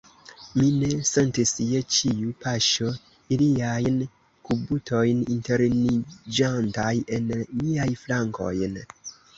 Mi ne sentis je ĉiu paŝo iliajn kubutojn interniĝantaj en miajn flankojn.